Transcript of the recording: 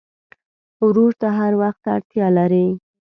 ورور ته هر وخت اړتیا لرې.